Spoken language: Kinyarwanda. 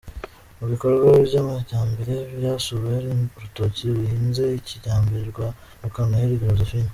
Mu bikorwa by’amajyambere byasuwe hari urutoki ruhinze kijyambere rwa Mukanoheli Josephine.